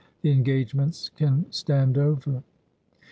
The engagements can stand over.'